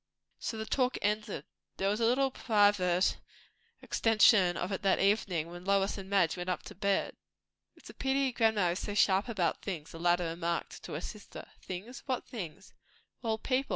So the talk ended. There was a little private extension of it that evening, when Lois and Madge went up to bed. "It's a pity grandma is so sharp about things," the latter remarked to her sister. "Things?" said Lois. "What things?" "Well people.